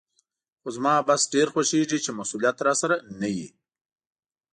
خو زما بس ډېر خوښېږي چې مسولیت راسره نه وي.